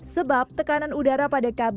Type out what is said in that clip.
sebab tekanan udara pada kabin menjadi berat